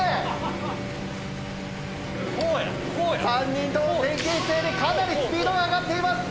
３人とも前傾姿勢でかなりスピードが上がっています。